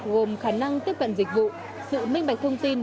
gồm khả năng tiếp cận dịch vụ sự minh bạch thông tin